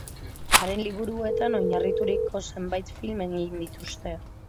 Haren liburuetan oinarrituriko zenbait film egin dituzte.